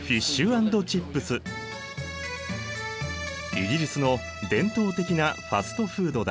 イギリスの伝統的なファストフードだ。